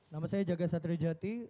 nama saya jaga satri jati